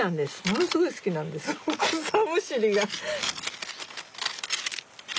ものすごい好きなんです草むしりが。